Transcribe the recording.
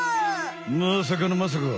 まさかのまさか。